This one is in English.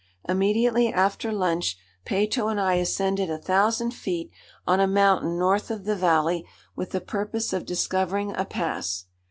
Immediately after lunch, Peyto and I ascended 1000 feet on a mountain north of the valley with the purpose of discovering a pass.